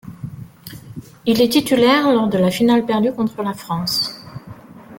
Il est titulaire lors de la finale perdue contre la France.